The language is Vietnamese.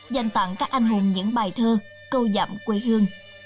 dành tặng các anh hùng những bài thơ câu dặm quê hương